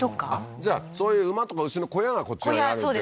じゃあそういう馬とか牛の小屋がこっちにそうです